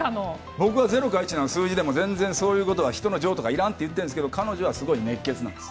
僕はゼロか１かの数字でもそういうことは、人の情とかいらんと言ってるんですが彼女はすごい熱血なんです。